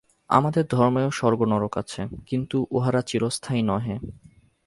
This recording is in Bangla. আমাদের ধর্মেও স্বর্গ-নরক আছে, কিন্তু উহারা চিরস্থায়ী নহে।